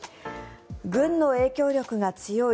軍の影響力が強い